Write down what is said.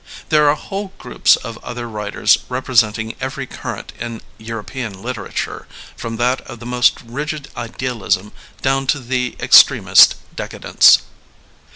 There are whole groups of other writers representing every current in European literature, from that of the most rigid idealism down to the extremest de cadence.